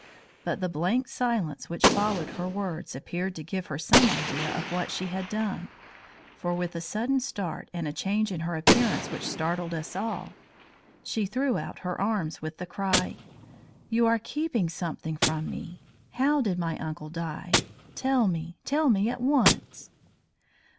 But the blank silence which followed her words appeared to give her some idea of what she had done, for with a sudden start and a change in her appearance which startled us all, she threw out her arms with the cry: "You are keeping something from me. How did my uncle die? Tell me! tell me at once!"